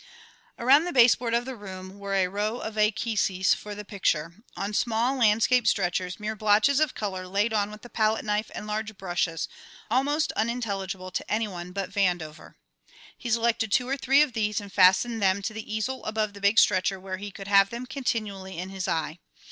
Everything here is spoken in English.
Around the baseboard of the room were a row of esquisses for the picture, on small landscape stretchers, mere blotches of colour laid on with the palette knife and large brushes, almost unintelligible to any one but Vandover. He selected two or three of these and fastened them to the easel above the big stretcher where he could have them continually in his eye.